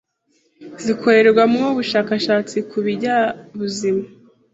zikorerwamo ubushakashatsi ku binyabuzima